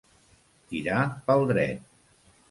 Tirar pel dret.